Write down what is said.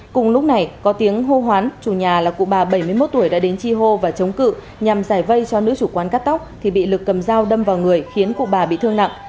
cùng lúc này có tiếng hô hoán chủ nhà là cụ bà bảy mươi một tuổi đã đến chi hô và chống cự nhằm giải vây cho nữ chủ quán cắt tóc thì bị lực cầm dao đâm vào người khiến cụ bà bị thương nặng